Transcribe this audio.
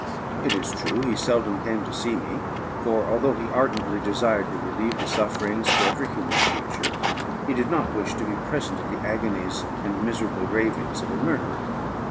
It is true, he seldom came to see me; for, although he ardently desired to relieve the sufferings of every human creature, he did not wish to be present at the agonies and miserable ravings of a murderer.